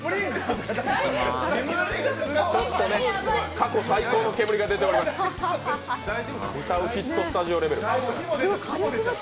過去最高の煙が出ています、「歌うヒットスタジオ」レベル。